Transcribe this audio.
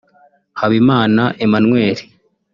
Habimana Emmanuel